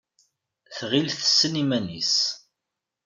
Tɣill tessen iman-is.